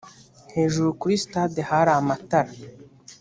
hejuru kuri sitade hari amatara.